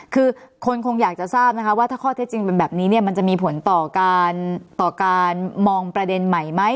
คือคนคงอยากจะทราบนะคะว่าถ้าข้อเท็จจริงเป็นแบบนี้เนี่ยมันจะมีผลต่อการต่อการมองประเด็นใหม่ไหม